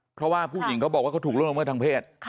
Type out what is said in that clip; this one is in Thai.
เพราะว่าผู้หญิงเขาบอกก็ถูกล่องลงไปทางเพศ